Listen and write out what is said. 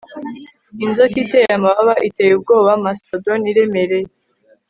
Inzoka iteye amababa iteye ubwoba mastodon iremereye